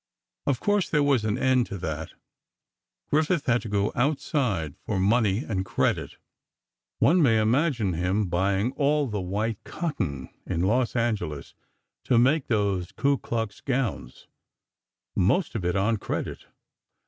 Of course, there was an end to that: Griffith had to go outside for money and credit. One may imagine him buying all the white cotton in Los Angeles to make those Ku Klux gowns, most of it on credit.